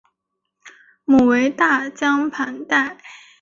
母为大江磐代。